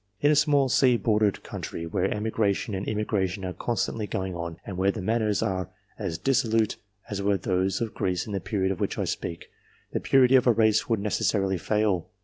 In a small sea bordered country, where emigration and immigration are constantly going on, and where the manners are as dissolute as were those of Greece in the period of which I speak, the > purity of a race would necessarily fail.